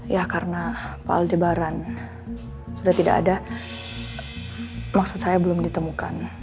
ya karena paldebaran sudah tidak ada maksud saya belum ditemukan